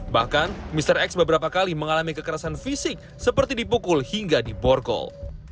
bahkan mr x beberapa kali mengalami kekerasan fisik seperti dipukul hingga diborgol